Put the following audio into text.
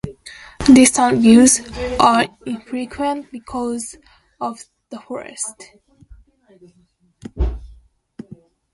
Distant views are infrequent because of the forest.